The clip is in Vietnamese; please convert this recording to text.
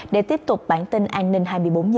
để tiếp tục bản tin an ninh hai mươi bốn h